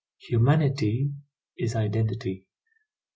Humanity is identity.